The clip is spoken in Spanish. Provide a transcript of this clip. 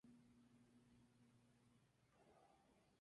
El abordaje se hace habitualmente por los orificios naturales del cuerpo.